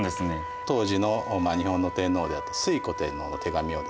当時の日本の天皇であった推古天皇の手紙をですね